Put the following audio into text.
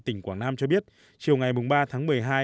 tỉnh quảng nam cho biết chiều ngày ba tháng một mươi hai